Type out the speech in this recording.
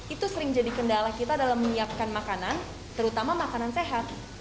itu sering jadi kendala kita dalam menyiapkan makanan terutama makanan sehat